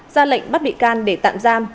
ra lệnh bắt bị can để tạm giam